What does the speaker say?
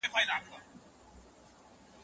که د ټولنیزو تجربو زده کړه ونه منې، پرمختګ نه کېږي.